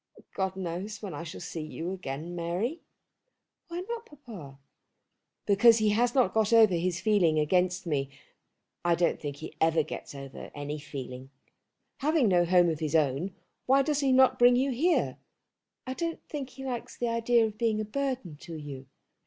God knows when I shall see you again, Mary." "Why not, papa?" "Because he hasn't got over his feeling against me. I don't think he ever gets over any feeling. Having no home of his own why does he not bring you here?" "I don't think he likes the idea of being a burden to you."